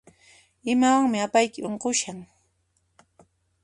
Imawanmi ipayki unqushan?